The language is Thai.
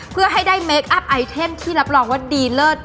เพื่อให้ได้เมคอัพไอเทมที่รับรองว่าดีเลิศ